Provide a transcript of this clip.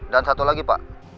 dan satu lagi pak